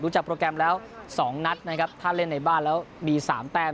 จากโปรแกรมแล้วสองนัดนะครับถ้าเล่นในบ้านแล้วมีสามแต้ม